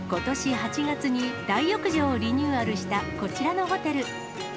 ８月に大浴場をリニューアルしたこちらのホテル。